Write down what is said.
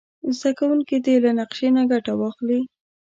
زده کوونکي دې له نقشې نه ګټه واخلي.